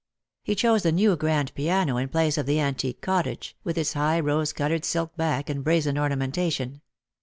He chose a new grand piano in place ot the antique cottage, with its high rose coloured silk back and brazen ornamentation.